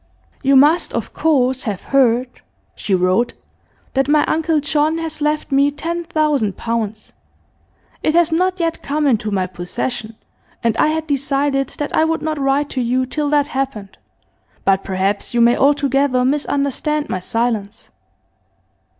'You must, of course, have heard [she wrote] that my uncle John has left me ten thousand pounds. It has not yet come into my possession, and I had decided that I would not write to you till that happened, but perhaps you may altogether misunderstand my silence.